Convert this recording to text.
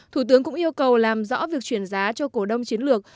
thủ tướng cũng yêu cầu làm rõ việc chuyển giá cho cổ đông chiến lược